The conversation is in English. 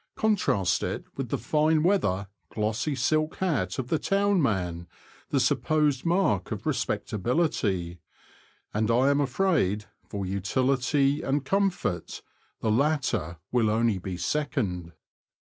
Contrast it with the fine weather, glossy silk hat of the town man, the supposed mark of respectability, and I am afraid, for utility and comfort, the latter will only be second.